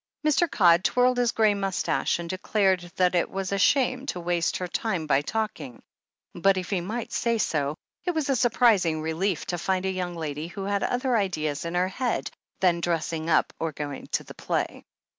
Mr. Codd twirled his grey moustache, and declared that it was a shame to waste her time by talking, but if he might say so, it was a surprising relief to find a yoimg lady who had other ideas in her head than dressing up, or going to the play.